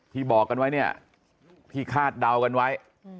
บอกกันไว้เนี่ยที่คาดเดากันไว้